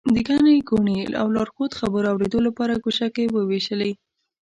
د ګڼې ګوڼې او لارښود خبرو اورېدو لپاره ګوشکۍ ووېشلې.